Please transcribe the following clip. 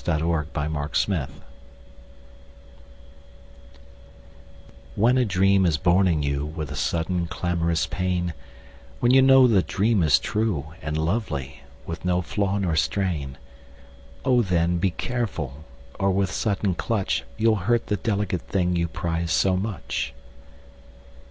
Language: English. Y Z A Pinch of Salt WHEN a dream is born in you With a sudden clamorous pain, When you know the dream is true And lovely, with no flaw nor strain, O then, be careful, or with sudden clutch You'll hurt the delicate thing you prize so much.